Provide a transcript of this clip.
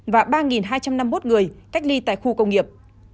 và ba hai trăm năm mươi một người cách ly tại khu công nghiệp